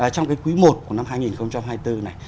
trong cái quý i của năm hai nghìn hai mươi bốn này